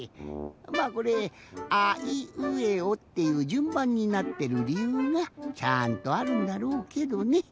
まあこれ「あいうえお」っていうじゅんばんになってるりゆうがちゃんとあるんだろうけどね。